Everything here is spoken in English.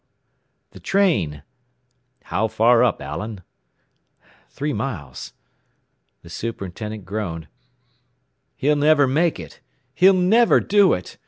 The train! "How far up, Allen?" "Three miles." The superintendent groaned. "He'll never do it! He'll never do it!